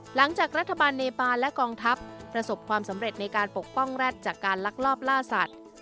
หลังจากรัฐบาลเนบานและกองทัพประสบความสำเร็จในการปกป้องแร็ดจากการลักลอบล่าสัตว์